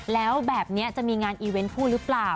แล้วแบบนี้จะมีงานอีเวนต์พูดหรือเปล่า